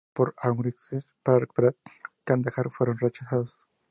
Tres ataques hechos por Aurangzeb para recuperar Kandahar fueron rechazados.